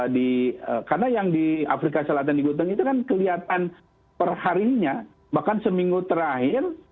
di karena yang di afrika selatan di gudang itu kan kelihatan perharinya bahkan seminggu terakhir